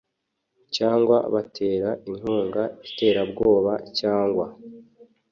cyangwa batera inkunga iterabwoba cyangwa